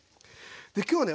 で今日はね